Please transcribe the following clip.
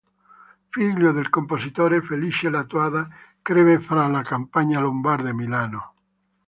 Figlio del compositore Felice Lattuada, crebbe fra la campagna lombarda e Milano.